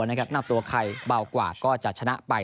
นับตัวใครเบากว่าก็จะชนะไป